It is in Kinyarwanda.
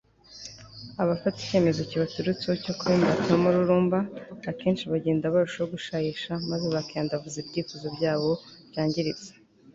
abafata icyemezo kibaturutseho cyo kuba imbata z'umururumba, akenshi bagenda barushaho gushayisha, maze bakiyandavuza ibyifuzo byabo byangiritse